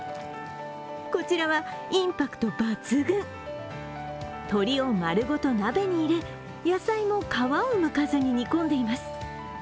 こちらは、インパクト抜群、鶏をまるごと鍋に入れ、野菜も皮をむかずに煮込んでいます。